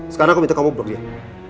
sekarang aku minta kamu buat lihat